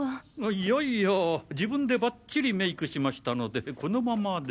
いやいや自分でバッチリメイクしましたのでこのままで。